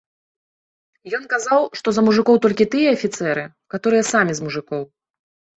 Ён казаў, што за мужыкоў толькі тыя афіцэры, каторыя самі з мужыкоў.